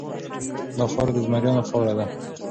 دا خاوره د زمریانو خاوره ده.